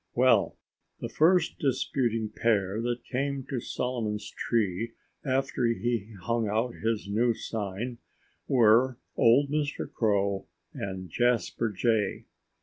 Well, the first disputing pair that came to Solomon's tree after he hung out his new sign were old Mr. Crow and Jasper Jay.